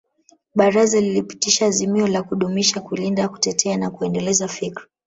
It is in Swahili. Baraza lilipitisha azimio la kudumisha kulinda kutetea na kuendeleza fikra